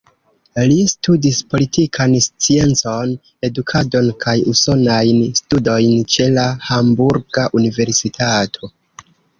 Li studis politikan sciencon, edukadon kaj usonajn studojn ĉe la Hamburga universitato.